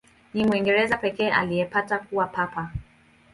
Ni Mwingereza pekee aliyepata kuwa Papa.